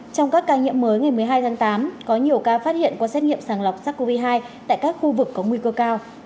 trong các ca nhiễm mới ngày một mươi hai tháng tám có nhiều ca phát hiện qua xét nghiệm sàng lọc sars cov hai tại các khu vực có nguy cơ cao